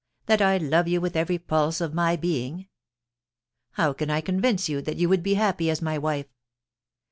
that I love you with every pulse of my being ? How can I convince you that you would be happy as my wife